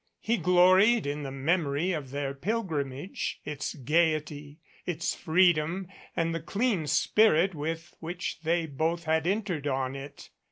He gloried in the memory of their pilgrimage, its gayety, its freedom and the clean spirit with which they both had entered on it.